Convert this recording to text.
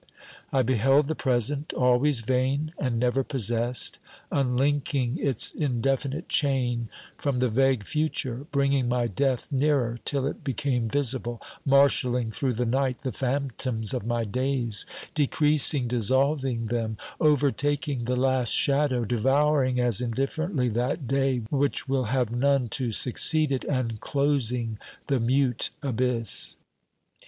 I beheld the present, always vain and never possessed, unlinking its indefinite chain from the vague future, bringing my death nearer, till it became visible, marshalling through the night the phantoms of my days, decreasing, dissolving them ; overtaking the last shadow, devouring as indifferently that day which will have none to succeed it, and closing the mute abyss.